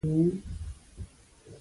نورو تعریفونو مشروعیت نفي کړي.